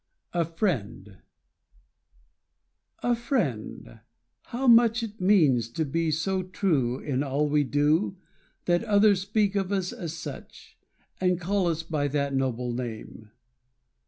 A Friend A friend how much it means To be so true In all we do That others speak of us as such, And call us by that noble name.